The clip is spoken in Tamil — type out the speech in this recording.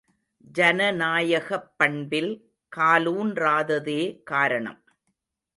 ஜனநாயகப் பண்பில் காலூன்றாததே காரணம்.